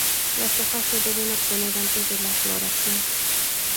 Las hojas, se deben obtener antes de la floración.